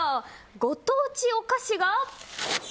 ご当地お菓子が？